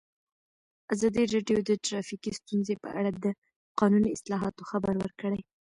ازادي راډیو د ټرافیکي ستونزې په اړه د قانوني اصلاحاتو خبر ورکړی.